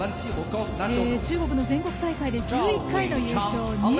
中国の全国大会で１１回の優勝